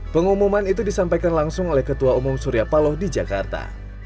pengumuman itu disampaikan langsung oleh ketua umum surya paloh di jakarta